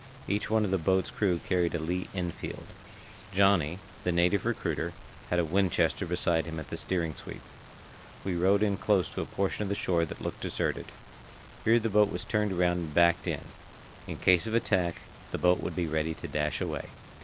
Each one of the boat's crew carried a Lee Enfield. "Johnny," the native recruiter, had a Winchester beside him at the steering sweep. We rowed in close to a portion of the shore that looked deserted. Here the boat was turned around and backed in; in case of attack, the boat would be ready to dash away.